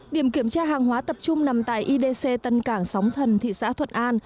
điểm kiểm tra hàng hóa tập trung nằm tại idc tân cảng sóng thần thị xã thuận an